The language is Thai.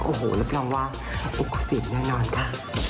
โอ้โหแล้วพิมพ์ว่าอุปกรณ์สิทธิ์แน่นอนค่ะ